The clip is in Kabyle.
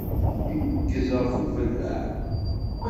Ineggez ɣef ubellaɛ.